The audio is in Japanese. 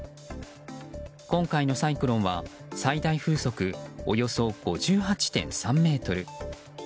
今回のサイクロンは最大風速およそ５８．３メートル。